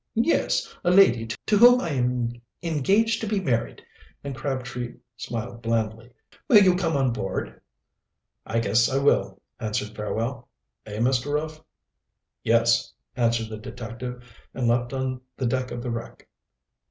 "Yes, a lady to whom I am engaged to be married," and Crabtree smiled blandly. "Will you come on board?" "I guess I will," answered Fairwell. "Eh, Mr. Ruff?" "Yes," answered the detective, and leaped on the deck of the wreck.